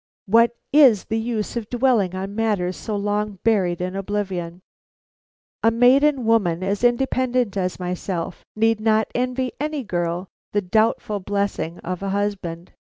what is the use of dwelling on matters so long buried in oblivion! A maiden woman, as independent as myself, need not envy any girl the doubtful blessing of a husband.